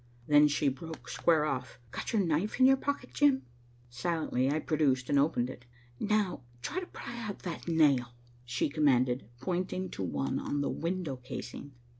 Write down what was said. Then she broke square off. "Got your knife in your pocket, Jim?" Silently I produced and opened it. "Now try to pry out that nail," she commanded, pointing to one on the window casing.